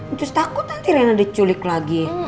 ncus takut nanti reina diculik lagi